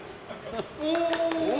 お！